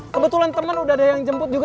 kebetulan teman udah ada yang jemput juga